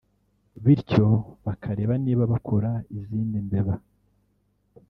bityo bakareba niba bakora izindi mbeba